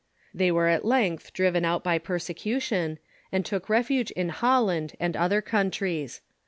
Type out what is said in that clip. They were at length driven out by per secution, and took refuge in Holland and other countries.